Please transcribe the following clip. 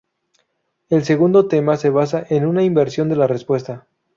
El segundo tema se basa en una inversión de la respuesta.